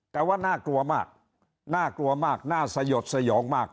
แต่ว่าน่ากลัวมากน่ากลัวมากน่าสยดสยองมาก